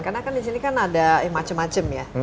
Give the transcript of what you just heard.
karena kan di sini kan ada yang macem macem ya